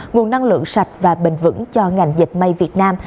nguồn năng lượng sạch và bền vững cho ngành dệt mây việt nam